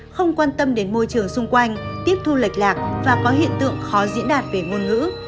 không quan tâm đến môi trường xung quanh tiếp thu lệch lạc và có hiện tượng khó diễn đạt về ngôn ngữ